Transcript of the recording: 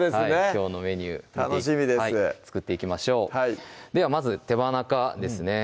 きょうのメニュー作っていきましょうではまず手羽中ですね